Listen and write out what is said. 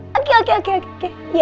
nanti gue yang nemenin kok sama kiki juga